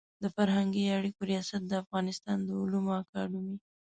د فرهنګي اړیکو ریاست د افغانستان د علومو اکاډمي